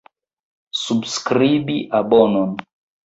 Subskribi abonon.